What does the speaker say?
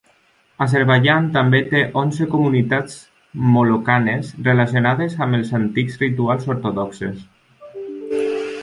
Azerbaidjan també té onze comunitats molokanes relacionades amb els antics rituals ortodoxes.